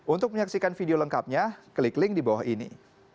untuk menyaksikan video lengkapnya klik link di bawah ini